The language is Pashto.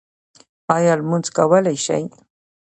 ایا لمونځ کولی شئ؟